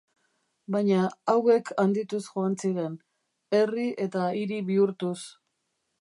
Baina hauek handituz joan ziren, herri eta hiri bihurtuz.